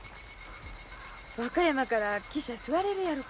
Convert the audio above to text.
和歌山から汽車座れるやろか。